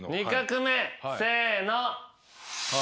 せの。